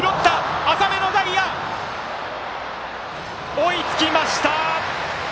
追いつきました！